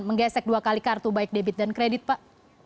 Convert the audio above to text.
menggesek dua kali kartu baik debit dan kredit pak